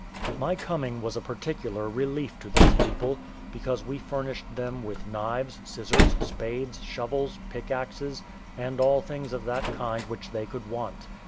My coming was a particular relief to these people, because we furnished them with knives, scissors, spades, shovels, pick axes, and all things of that kind which they could want.